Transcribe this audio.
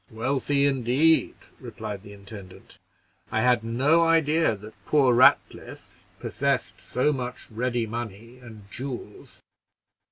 "Wealthy, indeed!" replied the intendant. "I had no idea that poor Ratcliffe possessed so much ready money and jewels.